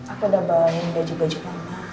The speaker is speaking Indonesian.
aku udah bawain baju baju mama